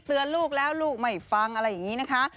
ลูกแล้วลูกไม่ฟังอะไรอย่างนี้นะคะ